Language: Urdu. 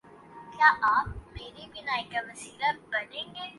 یہ اپنی قیادت میں بہتری لاسکتا ہے۔